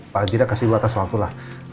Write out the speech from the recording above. paling tidak kasih lu atas waktulah